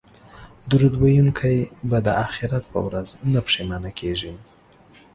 درود ویونکی به د اخرت په ورځ نه پښیمانه کیږي